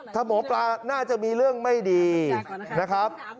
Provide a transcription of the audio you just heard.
ถ้าหมอปลาน่าจะมีเรื่องไม่ดีนะครับ